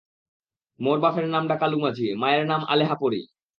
মোর বাফের নামডা কালুমাঝি, মায়ের নাম আলেহা পরি।।